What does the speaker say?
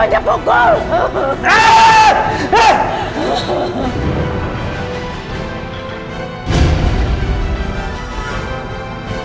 ebenu bencedera disini